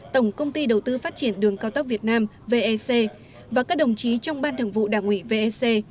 tổng công ty đầu tư phát triển đường cao tốc việt nam vec và các đồng chí trong ban thường vụ đảng ủy vec